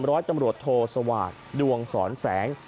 ร้อยตำรวจโทสวาสดวงสอนแสง